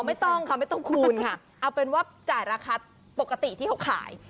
ไม่ต้องค่ะไม่ต้องคูณค่ะเอาเป็นว่าจ่ายราคาปกติที่เขาขาย